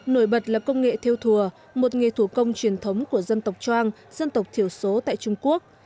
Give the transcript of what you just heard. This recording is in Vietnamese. nổi bật là công nghệ theo thùa một nghề thủ công truyền thống của dân tộc trang dân tộc thiểu số tại trung quốc